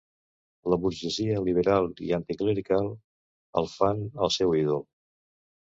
La burgesia liberal i anticlerical el fan el seu ídol.